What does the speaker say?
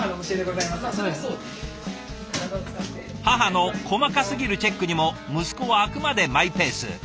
母の細かすぎるチェックにも息子はあくまでマイペース。